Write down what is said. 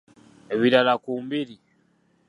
Ebirala ku mbiri.